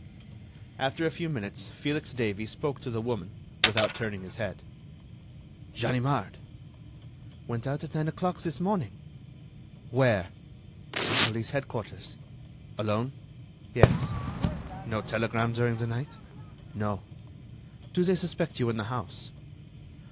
After a few minutes Felix Davey spoke to the woman, without turning his head: "Ganimard?" "Went out at nine o'clock this morning." "Where?" "To police headquarters." "Alone?" "Yes." "No telegram during the night?" "No." "Do they suspect you in the house?"